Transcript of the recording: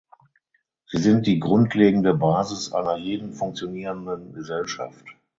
Sie sind die grundlegende Basis einer jeden funktionierenden Gesellschaft.